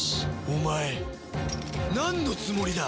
お前なんのつもりだ？